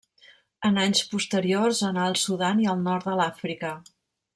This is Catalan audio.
En anys posteriors anà al Sudan i al nord de l'Àfrica.